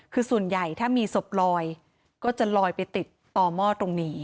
คือส่วนใหญ่ถ้ามีศพลอยก็จะลอยไปติดต่อหม้อตรงนี้